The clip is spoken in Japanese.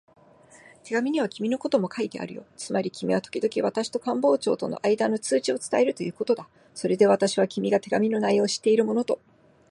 手紙には君のことも書いてあるよ。つまり君はときどき私と官房長とのあいだの通知を伝えるということだ。それで私は、君が手紙の内容を知っているものと